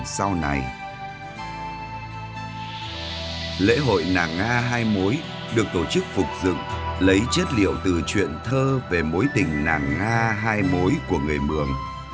sau này lễ hội nàng nga hai mối được tổ chức phục dựng lấy chất liệu từ chuyện thơ về mối tình nàng nga hai mối của người mường